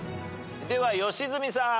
では良純さん。